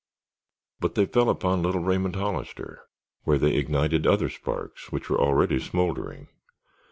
But they fell upon little Raymond Hollister, where they ignited other sparks which were already smouldering.